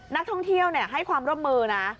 นักท่องเที่ยวให้ความร่วมมือนะ